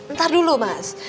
ntar dulu mas